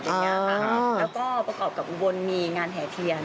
แล้วก็ประกอบบนมีการแห่เทียน